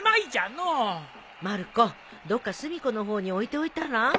まる子どっか隅っこの方に置いておいたら？